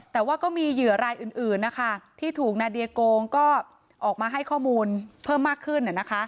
แต่ว่าก็มีเหยื่อรายอื่นนะคะที่ถูกนาเดียโกงก็ออกมาให้ข้อมูลเพิ่มมากขึ้น